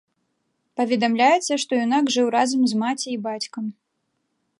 Паведамляецца, што юнак жыў разам з маці і бацькам.